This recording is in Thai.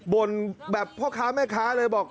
แบบพ่อค้าแม่ค้าเลยบอก